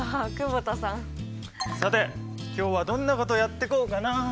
さて今日はどんなことやってこうかなあ？